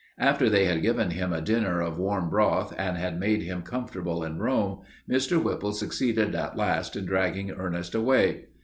After they had given him a dinner of warm broth and had made him comfortable in Rome, Mr. Whipple succeeded at last in dragging Ernest away.